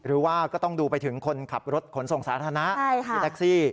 หรือว่าก็ต้องดูไปถึงคนขับรถขนส่งสาธารณะพี่แท็กซี่